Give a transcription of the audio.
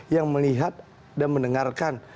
yang melihat dan mendengarkan